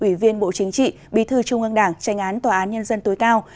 ủy viên bộ chính trị bí thư trung ương đảng tranh án tòa án nhân dân tối cao